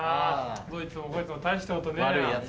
どいつもこいつも大したことねえな。